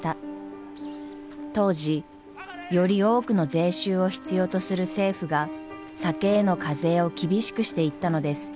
当時より多くの税収を必要とする政府が酒への課税を厳しくしていったのです。